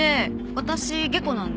私下戸なんで。